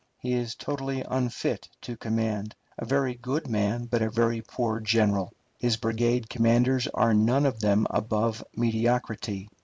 He is totally unfit to command a very good man but a very poor general. His brigade commanders are none of them above mediocrity.